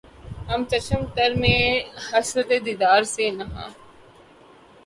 ھے چشم تر میں حسرت دیدار سے نہاں